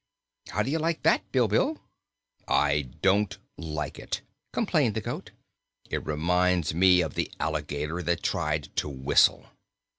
"How do you like that, Bilbil?" "I don't like it," complained the goat. "It reminds me of the alligator that tried to whistle."